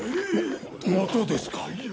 ままたですか？